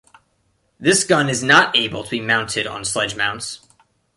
This gun is not able to be mounted on sledge mounts.